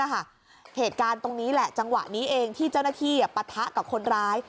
เหตุการณ์ตรงนี้แหละจังหวะนี้เองที่เจ้าหน้าที่ปะทะกับคนร้าย